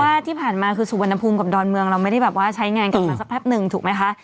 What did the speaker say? ที่ผ่านมาคือสุวรรณภูมิกับดอนเมืองเราไม่ได้แบบว่าใช้งานกันมาสักแป๊บหนึ่งถูกไหมคะ